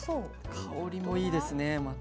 香りもいいですねまた。